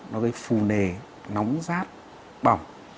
nó gây phù nề nóng rát bỏng